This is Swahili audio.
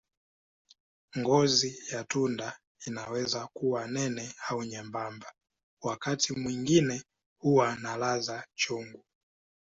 Ngozi ya tunda inaweza kuwa nene au nyembamba, wakati mwingine huwa na ladha chungu.